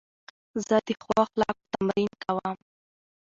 زه د ښو اخلاقو تمرین کوم.